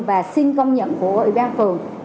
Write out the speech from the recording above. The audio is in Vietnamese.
và xin công nhận của ủy ban phường